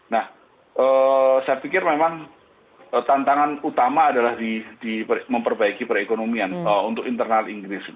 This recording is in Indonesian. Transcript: nah saya pikir memang tantangan utama adalah di memperbaiki perekonomian untuk internal inggris